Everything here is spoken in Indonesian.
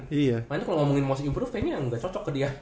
makanya kalo ngomongin most improved kayaknya yang gak cocok ke dia